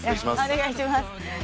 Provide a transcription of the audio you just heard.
お願いします。